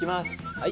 はい。